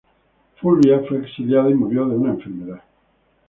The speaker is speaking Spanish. Fulvia fue exiliada y murió de una enfermedad.